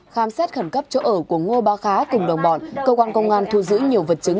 khám xét khẩn cấp chỗ ở của ngô ba khá cùng đồng bọn cơ quan công an thu giữ nhiều vật chứng